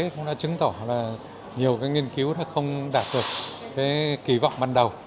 cũng đã chứng tỏ là nhiều nghiên cứu đã không đạt được kỳ vọng ban đầu